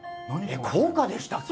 校歌でしたっけ？